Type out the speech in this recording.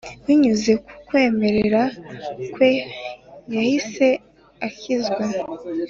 Binyuze ku kwemera kwe yahise akizwa